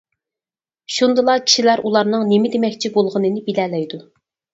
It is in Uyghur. شۇندىلا كىشىلەر ئۇلارنىڭ نېمە دېمەكچى بولغىنىنى بىلەلەيدۇ.